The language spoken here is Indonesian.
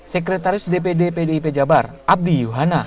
sekretaris dpd pdip jabar abdi yuhana